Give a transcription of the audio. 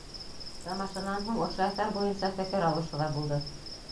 Тамашанан һуң ошо әҫәр буйынса фекер алышыу ҙа булды.